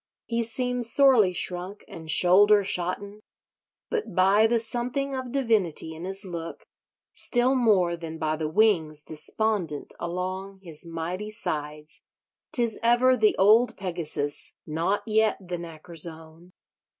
He seems sorely shrunk and shoulder shotten; but by the something of divinity in his look, still more than by the wings despondent along his mighty sides, 'tis ever the old Pegasus—not yet the knacker's own.